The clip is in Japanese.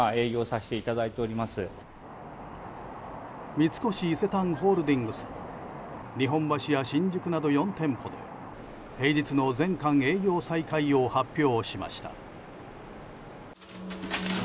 三越伊勢丹ホールディングスも日本橋や新宿など４店舗で平日の全館営業再開を発表しました。